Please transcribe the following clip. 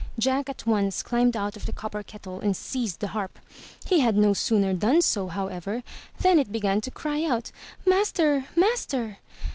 Jack at once climbed out of the copper kettle and seized the harp. He had no sooner done so, however, than it began to cry out, ''Master! Master!'